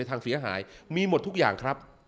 ทางเสียหายมีหมดทุกอย่างครับ